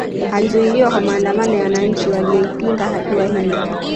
Alizuiliwa kwa maandamano ya wananchi walioipinga hatua hiyo